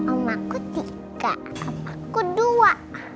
omahku tiga opahku dua